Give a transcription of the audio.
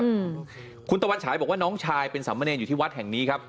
อืมคุณตะวันฉายบอกว่าน้องชายเป็นสามเณรอยู่ที่วัดแห่งนี้ครับ